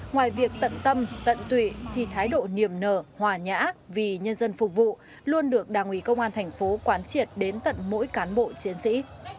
ngoài việc tận tâm tận tụy thì thái độ niềm nở hòa nhã vì nhân dân phục vụ luôn được đảng ủy công an thành phố quán triệt đến tận mỗi cán bộ chiến sĩ